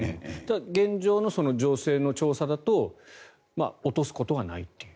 現状の情勢の調査だと落とすことはないと。